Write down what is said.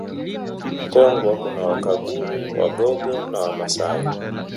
Kongwa kuna Wakaguru Wagogo na Wamasai